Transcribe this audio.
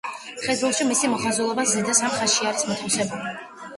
მხედრულში მისი მოხაზულობა ზედა სამ ხაზში არის მოთავსებული.